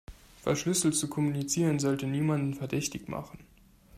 Verschlüsselt zu kommunizieren sollte niemanden verdächtig machen.